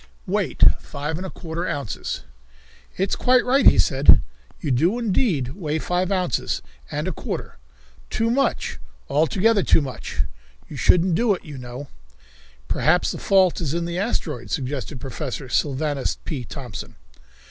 Weight, Five and a Quarter Ounces. "It's quite right," he said. "You do indeed weigh five ounces and a quarter. Too much; altogether too much," he added. "You shouldn't do it, you know." "Perhaps the fault is in the asteroid," suggested Professor Sylvanus P. Thompson.